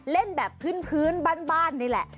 เล่นแบบพื้นบ้านนี่แหละ